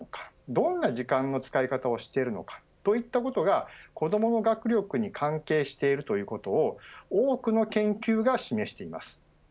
どんな時間の使い方をしているのかといったことが子どもの学力に関係しているということを多くの研究が示しています。